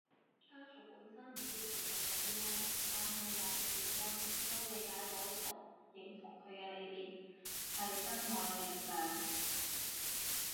家屬本身唔知佢做過啲咩，但喺維權過程都理解到同認同佢嘅理念，係真愛嘅力量